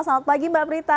selamat pagi mbak prita